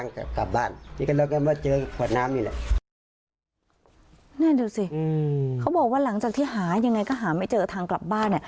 นั่นดูสิเขาบอกว่าหลังจากที่หายังไงก็หาไม่เจอทางกลับบ้าน